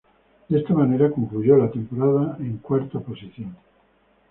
De esta manera, concluyó la temporada en cuarta posición.